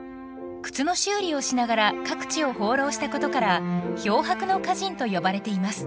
靴の修理をしながら各地を放浪したことから「漂泊の歌人」と呼ばれています。